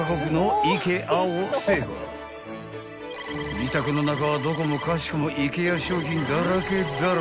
［自宅の中はどこもかしこもＩＫＥＡ商品だらけだらけ］